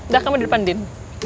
dah kamu di depan din